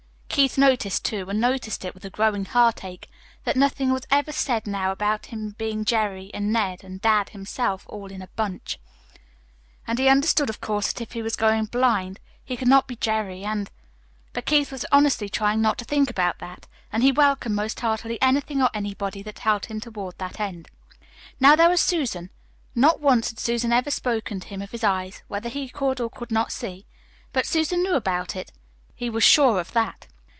Keith noticed, too, and noticed it with a growing heartache, that nothing was ever said now about his being Jerry and Ned and dad himself all in a bunch. And he understood, of course, that if he was going to be blind, he could not be Jerry and But Keith was honestly trying not to think of that; and he welcomed most heartily anything or anybody that helped him toward that end. Now there was Susan. Not once had Susan ever spoken to him of his eyes, whether he could or could not see. But Susan knew about it. He was sure of that.